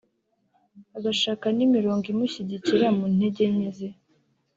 agashaka n’imirongo imushyigikira mu ntege nke ze